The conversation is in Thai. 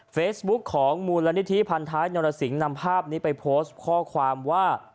เฟซบุ๊คของมูลนิธิพันท้ายนรสิงห์นำภาพนี้ไปโพสต์ข้อความว่า